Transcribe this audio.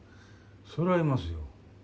そりゃいますよ。